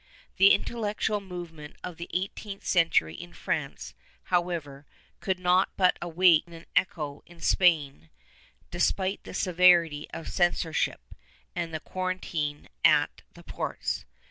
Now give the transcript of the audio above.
^ The intellectual movement of the eighteenth century in France, however, could not but awake an echo in Spain, despite the severity of censorship, and the quarantine at the ports.